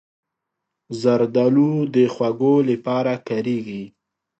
زردالو د خوږو لپاره کارېږي.